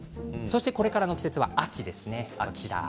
これからの季節は秋ですね